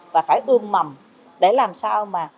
và phải tương mầm để làm sao mà